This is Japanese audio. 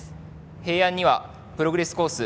平安にはプログレスコース